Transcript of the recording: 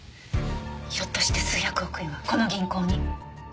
ひょっとして数百億円はこの銀行に？